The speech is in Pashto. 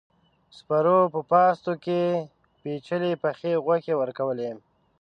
سپرو په پاستو کې پيچلې پخې غوښې ورکولې.